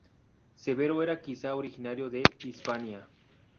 Severo era quizá originario de Hispania.